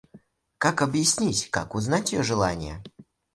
Как объяснить... как узнать ее желание?